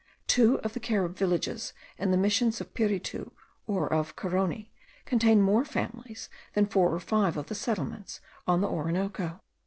Two of the Carib villages in the Missions of Piritu or of Carony, contain more families than four or five of the settlements on the Orinoco.